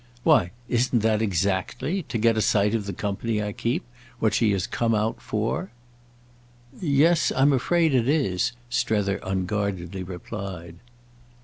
"Why, isn't that exactly—to get a sight of the company I keep—what she has come out for?" "Yes—I'm afraid it is," Strether unguardedly replied.